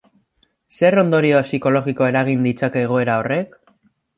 Zer ondorio psikologiko eragin ditzake egoera horrek?